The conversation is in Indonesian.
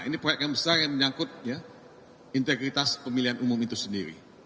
ini proyek yang besar yang menyangkut integritas pemilihan umum itu sendiri